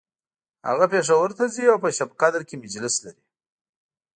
هغه پیښور ته ځي او په شبقدر کی مجلس لري